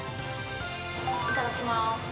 いただきます。